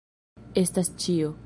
Estas ĉio.